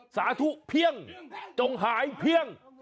สาธุเพียงจงหายเพียง